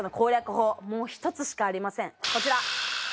法１つしかありませんこちら。